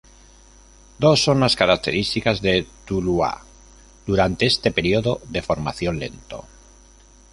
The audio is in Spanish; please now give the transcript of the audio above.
Dos son las características de Tuluá durante este periodo de formación lento.